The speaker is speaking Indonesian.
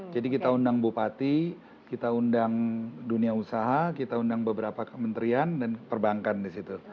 jadi kita undang bupati kita undang dunia usaha kita undang beberapa kementrian dan perbankan disitu